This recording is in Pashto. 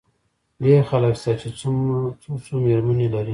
ډېر خلک شته، چي څو څو مېرمنې لري.